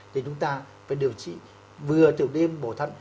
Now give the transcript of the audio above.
thì chúng ta phải điều trị vừa tiểu đêm bổ thận